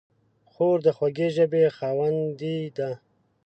خور د خوږې ژبې خاوندې ده.